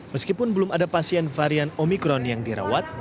meskipun belum ada pasien varian omikron yang dirawat